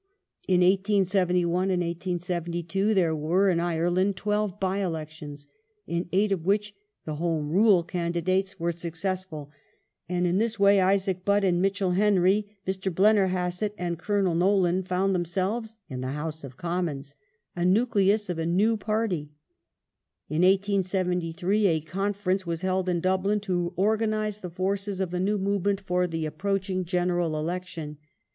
In 1871 and 1872 there were in Ireland twelve b}e elections, in eight of which the " Home Rule " candidates were successful, and in this way Isaac Butt and Mitchell Henry, Mr. Blennerhasset and Colonel Nolan found themselves in the House of Commons — a nucleus of a new party. In 1873 a Conference was held in Dublin to organize the forces of the new movement for the approaching General Election.